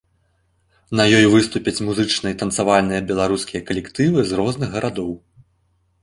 На ёй выступяць музычныя і танцавальныя беларускія калектывы з розных гарадоў.